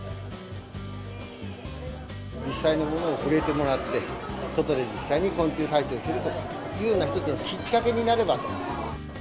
実際にものに触れてもらって、外で実際に昆虫採集するとかいうような、一つのきっかけになればと。